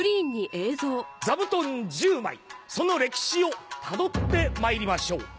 座布団１０枚その歴史をたどってまいりましょう。